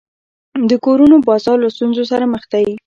د کورونو بازار له ستونزو سره مخ دی.